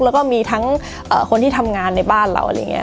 แล้วก็มีทั้งคนที่ทำงานในบ้านเราอะไรอย่างนี้